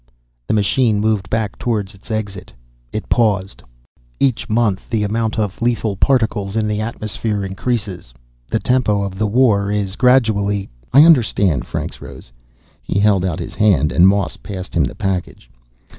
The machine moved back toward its exit. It paused. "Each month the amount of lethal particles in the atmosphere increases. The tempo of the war is gradually " "I understand." Franks rose. He held out his hand and Moss passed him the package.